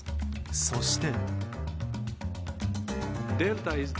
そして。